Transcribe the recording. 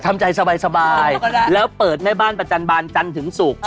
ทำใจสบายแล้วเปิดแม่บ้านประจำบานจันทร์ถึงศุกร์